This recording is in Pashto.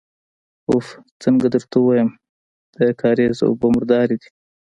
اوف! څنګه درته ووايم، د کارېزه اوبه مردارې دي.